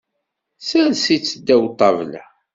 Sers-itt ddaw ṭṭabla.